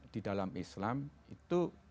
di dalam islam itu